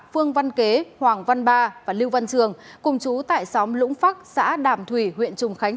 phương văn kế hoàng văn ba và lưu văn trường cùng chú tại xóm lũng phấc xã đàm thủy huyện trùng khánh